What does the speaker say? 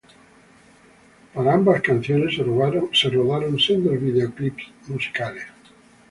Para ambas canciones se rodaron sendos videoclips musicales.